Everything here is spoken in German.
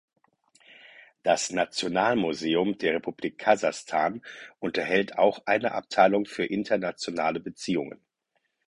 Das Nationalmuseum der Republik Kasachstan unterhält auch eine Abteilung für internationale Beziehungen.